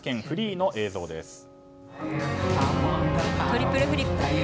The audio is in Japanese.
フリーの映像です。